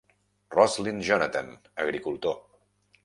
Roslin Jonathan, agricultor.